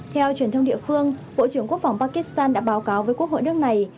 theo truyền thông địa phương bộ trưởng quốc phòng pakistan đã báo cáo với quốc hội nước này